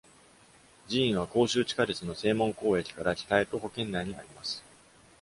寺院は広州地下鉄の西門口駅から北へ徒歩圏内にあります。